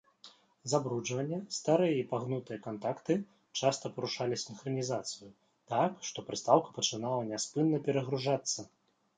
Забруджванне, старыя і пагнутыя кантакты часта парушалі сінхранізацыю, так што прыстаўка пачынала няспынна перагружацца.